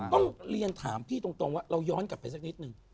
ต้องเรียนถามพี่ตรงว่าเราย้อนกลับไปสักนิดนึง